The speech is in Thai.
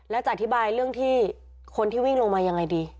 แล้วจะอธิบายเรื่องที่คนที่วิ่งลงมายังไงดี